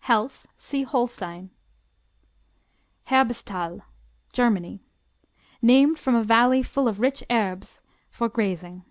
Health see Holstein. Herbesthal Germany Named from a valley full of rich herbes for grazing.